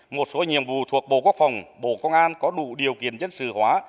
một số nhiệm vụ thuộc bộ quốc phòng bộ công an có đủ điều kiện dân sự hóa